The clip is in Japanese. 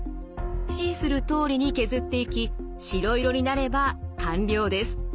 指示するとおりに削っていき白色になれば完了です。